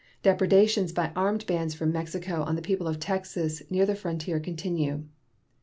Depredations by armed bands from Mexico on the people of Texas near the frontier continue.